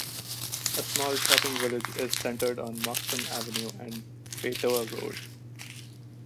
A small shopping village is centred on Moxham Avenue and Waitoa Road.